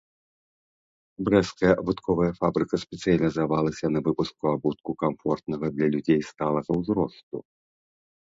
Брэсцкая абутковая фабрыка спецыялізавалася на выпуску абутку камфортнага для людзей сталага ўзросту.